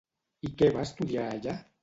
I què va estudiar allà?